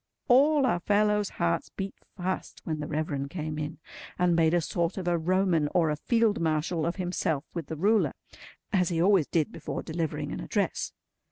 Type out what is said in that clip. All our fellows' hearts beat fast when the Reverend came in, and made a sort of a Roman, or a Field Marshal, of himself with the ruler; as he always did before delivering an address.